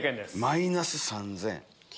マイナス３０００。